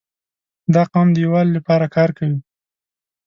• دا قوم د یووالي لپاره کار کوي.